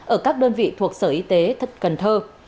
ở các đơn vị thuộc sở y tế cần thơ